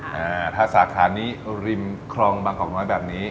อ่าถ้าสาขานี้ริมคลองบางกอกน้อยแบบนี้